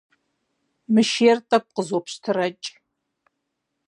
Мы шейр тӏэкӏу къызопщтырэкӏ.